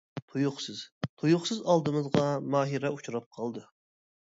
تۇيۇقسىز تۇيۇقسىز ئالدىمىزغا ماھىرە ئۇچراپ قالدى.